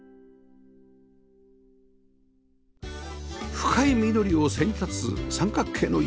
深い緑を背に立つ三角形の家